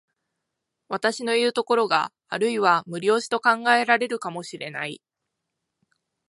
私のいう所があるいは無理押しと考えられるかも知れない。